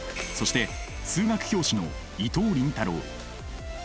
そして数学教師の伊藤倫太郎。